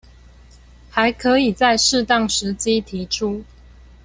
還可以在適當時機提出